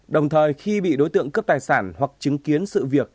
đồng thời khi bị đối tượng cướp tài sản hoặc chứng kiến sự việc